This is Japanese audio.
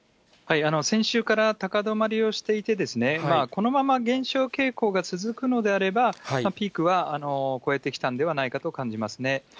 先週から高止まりをしていて、このまま減少傾向が続くのであれば、ピークは超えてきたんではないかと感じますね。